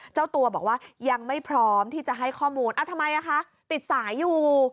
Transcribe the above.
เจ้าตัวบอกว่ายังไม่พร้อมที่จะให้ข้อมูลทำไมคะติดสายอยู่